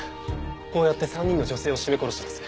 こうやって３人の女性を絞め殺してます。